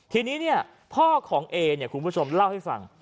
ทีนี้เนี่ยพ่อของเอเนี่ยคุณผู้ชมเล่าให้ฟัง